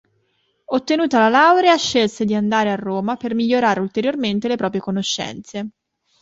Ottenuta la laurea, scelse di andare a Roma per migliorare ulteriormente le proprie conoscenze.